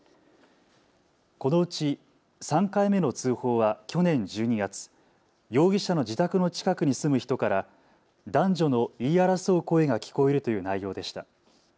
このうち３回目の通報は去年１２月、容疑者の自宅の近くに住む人から男女の言い争う声が聞こえるという内容でした。